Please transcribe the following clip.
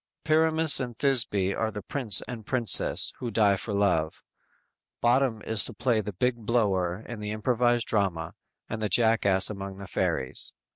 Pyramus and Thisby are the prince and princess, who die for love. Bottom is to play the big blower in the improvised drama and the Jackass among the fairies.